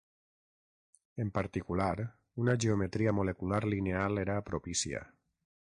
En particular, una geometria molecular lineal era propícia.